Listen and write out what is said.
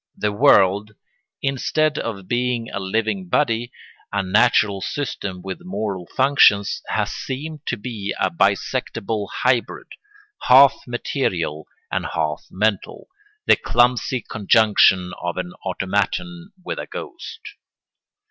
The world, instead of being a living body, a natural system with moral functions, has seemed to be a bisectible hybrid, half material and half mental, the clumsy conjunction of an automaton with a ghost.